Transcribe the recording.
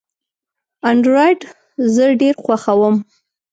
انډرایډ زه ډېر خوښوم.